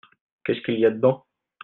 Qu'est-ce qu'il y a dedans ?